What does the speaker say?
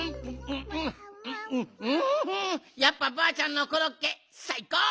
やっぱばあちゃんのコロッケさいこう！